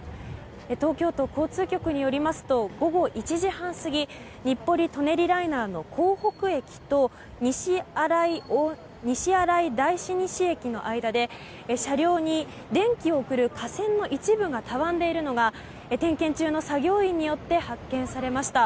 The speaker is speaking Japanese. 東京都交通局によりますと午後１時半過ぎ日暮里・舎人ライナーの江北駅と西新井大師西駅の間で車両に電気を送る架線の一部がたわんでいるのが点検中の作業員によって発見されました。